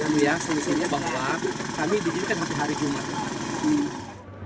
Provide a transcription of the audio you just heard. yang biasa misalnya bahwa kami digunakan hari jumat